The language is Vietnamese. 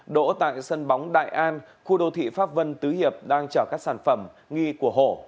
đỗ tại sân bóng đại an khu đô thị pháp vân tứ hiệp đang chở các sản phẩm nghi của hổ